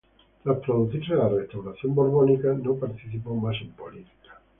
Tras producirse la restauración borbónica no participó más en política.